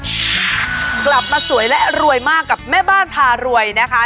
กลับมาสวยและรวยมากกับแม่บ้านพารวยนะคะ